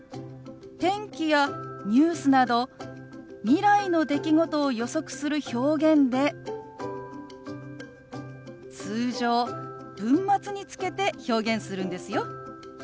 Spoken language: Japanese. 天気やニュースなど未来の出来事を予測する表現で通常文末につけて表現するんですよ。